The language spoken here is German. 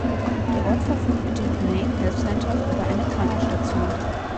Der Ort verfügt mit dem Canaan Health Center über eine Krankenstation.